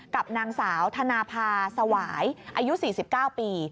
กับนางสาวธนภาสวายอายุ๔๙ปี